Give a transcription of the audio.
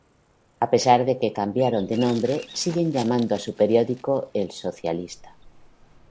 A pesar de que cambiaron de nombre, siguen llamando a su periódico "El Socialista,".